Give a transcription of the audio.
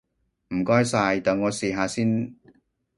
唔該晒，等我試下先！